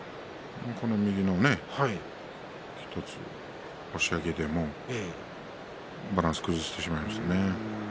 右の１つ、押し上げでバランスを崩してしまいましたね。